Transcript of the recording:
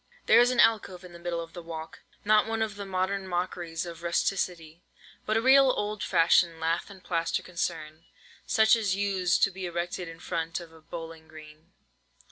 There was an alcove in the middle of the walk—not one of the modern mockeries of rusticity—but a real old fashioned lath and plaster concern, such as used to be erected in front of a bowling green.